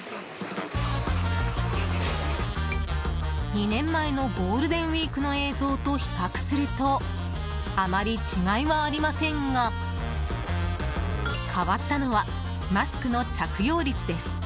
２年前のゴールデンウィークの映像と比較するとあまり違いはありませんが変わったのはマスクの着用率です。